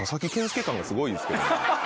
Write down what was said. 感がすごいんですけど。